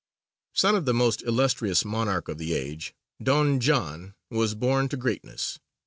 _)] Son of the most illustrious monarch of the age, Don John was born to greatness.